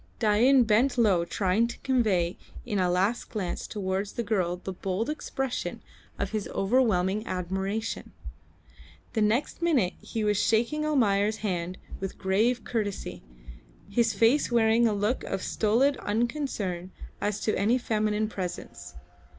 Dain bent low trying to convey in a last glance towards the girl the bold expression of his overwhelming admiration. The next minute he was shaking Almayer's hand with grave courtesy, his face wearing a look of stolid unconcern as to any feminine presence.